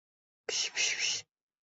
曾任国防大学战略研究所长。